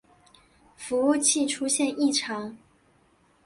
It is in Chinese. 服务器出现异常